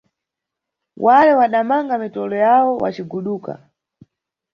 Wale madamanga mitolo yawo, waciguduka.